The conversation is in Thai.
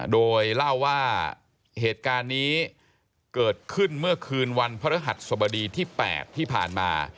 โดยเล่าว่าเหตุการณ์นี้เกิดขึ้นเมื่อคืนวันพระฤหัสสบดีที่๘ที่ผ่านมา